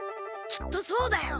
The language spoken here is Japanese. きっとそうだよ！